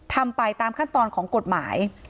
ทำไปตามขั้นตอนของกฎหมาย